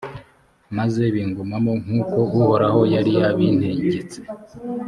maze bigumamo nk’uko uhoraho yari yabintegetse.